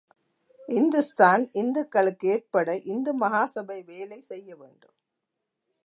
இந்துஸ்தான் இந்துக்களுக்கு ஏற்பட இந்து மகாசபை வேலை செய்ய வேண்டும்.